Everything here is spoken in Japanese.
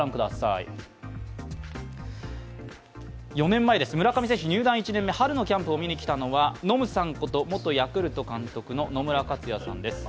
４年前、村上選手、入団１年目、春のキャンプを見に来たのはノムさんこと野村克也さんです。